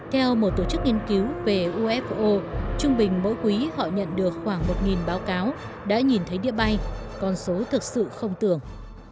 theo một tổ chức nghiên cứu về ufo trung bình mỗi quý họ nhận được khoảng một báo cáo đã nhìn thấy địa bay con số thực sự không tưởng